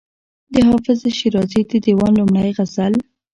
د حافظ شیرازي د دېوان لومړی غزل.